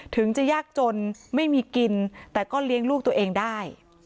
ถึงจะยากจนไม่มีกินแต่ก็เลี้ยงลูกตัวเองได้